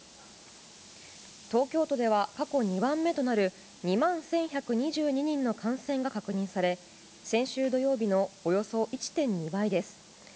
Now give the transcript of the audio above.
東京都では、過去２番目となる２万１１２２人の感染が確認され先週土曜日のおよそ１．２倍です。